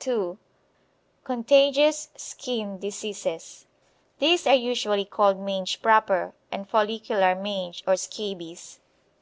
(2) Contagious Skin Diseases. These are usually called mange proper and follicular mange, or scabies.